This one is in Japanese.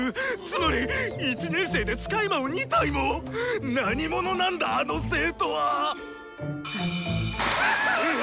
つまり１年生で使い魔を２体も⁉何者なんだあの生徒は⁉うう！